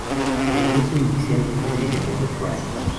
El grupo inicialmente se llamó The Cry.